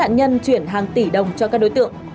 nạn nhân chuyển hàng tỷ đồng cho các đối tượng